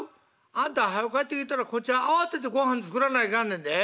あんたがはよ帰ってきたらこっちは慌ててごはん作らないかんねんで。